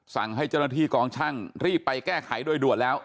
สั่งให้เจ้าหน้าที่กองช่างรีบไปแก้ไขโดยด่วนแล้ว